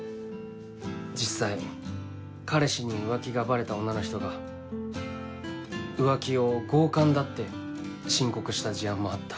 実際彼氏に浮気がバレた女の人が浮気を強姦だって申告した事案もあった。